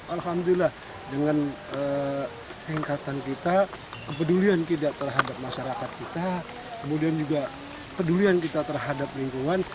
alhamdulillah dengan tingkatan kita kepedulian kita terhadap masyarakat kita kemudian juga pedulian kita terhadap lingkungan